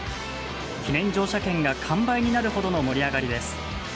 記念乗車券が完売になるほどの盛り上がりです。